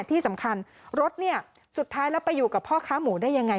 ที่สำคัญรถเนี่ยสุดท้ายแล้วไปอยู่กับพ่อค้าหมูได้ยังไง